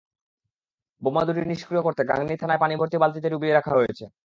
বোমা দুটি নিষ্ক্রিয় করতে গাংনী থানায় পানিভর্তি বালতিতে ডুবিয়ে রাখা হয়েছে।